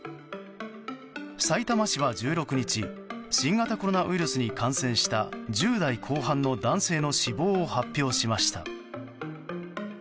さいたま市は１６日新型コロナウイルスに感染した１０代後半の男性の死亡を発表しました。